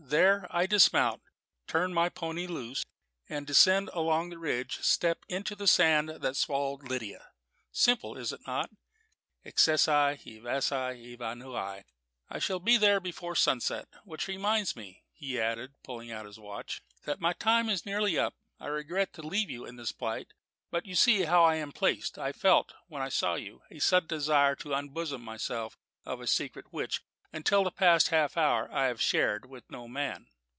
There I dismount, turn my pony loose, and, descending along the ridge, step into the sand that swallowed Lydia. Simple, is it not? Excessi, evasi, evanui. I shall be there before sunset which reminds me," he added, pulling out his watch, "that my time is nearly up. I regret to leave you in this plight, but you see how I am placed. I felt, when I saw you, a sudden desire to unbosom myself of a secret which, until the past half hour, I have shared with no man.